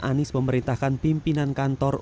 anies memerintahkan pimpinan kantor